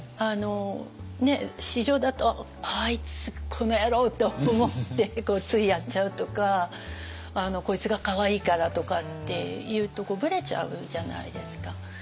私情だと「あいつこの野郎！」と思ってついやっちゃうとか「こいつがかわいいから」とかっていうとブレちゃうじゃないですか。